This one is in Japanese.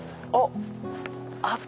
あっ！